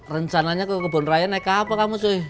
rencananya ke kebun raya naik ke apa kamu sih